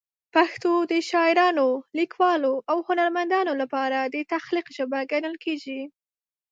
پښتو د شاعرانو، لیکوالو او هنرمندانو لپاره د تخلیق ژبه ګڼل کېږي.